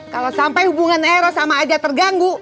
kalau sampai hubungan aero sama aja terganggu